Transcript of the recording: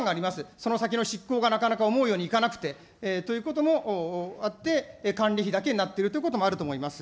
その先の執行がなかなか思うようにいかなくて、ということもあって、管理費だけになっているということもあると思います。